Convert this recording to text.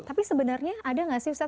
tapi sebenarnya ada nggak sih ustadz